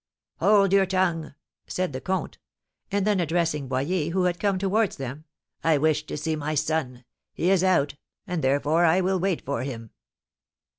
"Hold your tongue!" said the comte. And then addressing Boyer, who had come towards them, "I wish to see my son. He is out, and therefore I will wait for him."